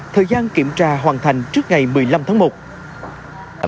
thời gian kiểm tra hoàn thành trước ngày một mươi năm tháng một